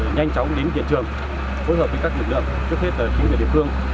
nhanh chóng đến địa trường phối hợp với các lực lượng trước hết là những người địa phương